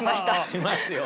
しますよね。